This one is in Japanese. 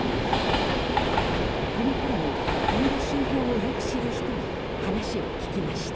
このころの現場周辺をよく知る人に話を聞きました。